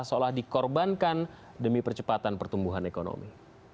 seolah dikorbankan demi percepatan pertumbuhan ekonomi